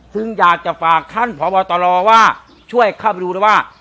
ซึ่งอยากจะฝากท่านพบตรว่าช่วยเข้าไปดูด้วยว่า